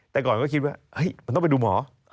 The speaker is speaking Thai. แต่ก่อนก็คิดว่ามันต้องไปดูหมอ